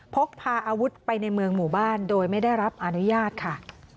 พกพาอาวุธไปในเมืองหมู่บ้านโดยไม่ได้รับอนุญาตค่ะ